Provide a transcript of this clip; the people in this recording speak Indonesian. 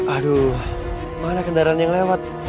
aduh mana kendaraan yang lewat